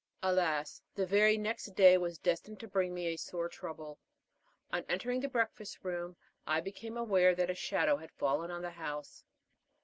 Alas! the very next day was destined to bring me a sore trouble. On entering the breakfast room I became aware that a shadow had fallen on the house.